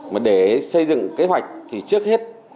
mà để xây dựng kế hoạch thì trước hết